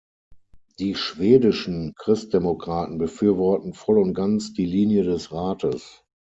Die schwedischen Christdemokraten befürworten voll und ganz die Linie des Rates.